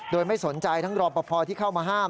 โดยไม่สนใจทั้งรอปภที่เข้ามาห้าม